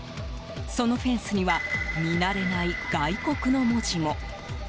そのフェンスには見慣れない外国の文字も。